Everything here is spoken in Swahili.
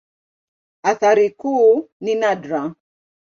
Athari kuu ni nadra.